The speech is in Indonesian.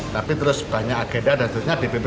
tapi terus banyak agenda dan sebetulnya dpp